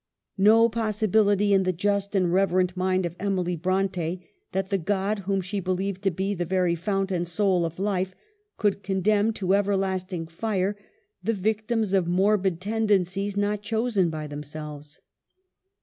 No possibility in the just and reverent mind of Emily Bronte that the God whom she believed to be the very fount and soul of life could condemn to everlasting fire the victims of morbid tendencies not chosen by themselves.